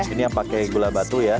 ini yang pakai gula batu ya